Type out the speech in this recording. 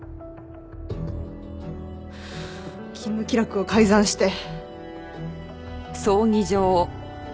勤務記録を改ざんして。